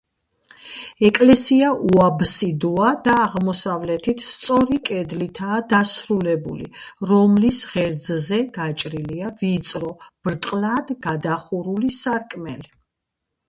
ეკლესია უაბსიდოა და აღმოსავლეთით სწორი კედლითაა დასრულებული, რომლის ღერძზე გაჭრილია ვიწრო, ბრტყლად გადახურული სარკმელი.